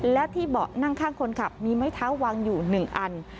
และที่เบาะนั่งข้างคนขับมีไม้เท้าวางอยู่๑อัน